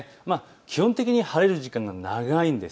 基本的に晴れる時間が長いんです。